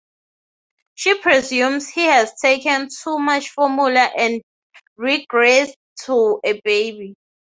She presumes he has taken too much formula and regressed to a baby.